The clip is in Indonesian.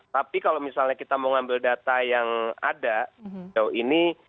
tapi kalau misalnya kita mau ambil data yang ada jauh ini